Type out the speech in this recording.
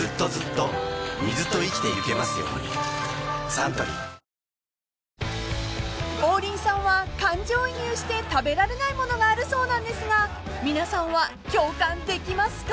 サントリー［王林さんは感情移入して食べられないものがあるそうなんですが皆さんは共感できますか？］